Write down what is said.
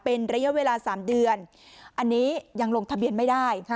เป็นระยะเวลา๓เดือนอันนี้ยังลงทะเบียนไม่ได้